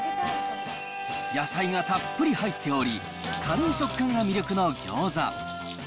野菜がたっぷり入っており、軽い食感が魅力のギョーザ。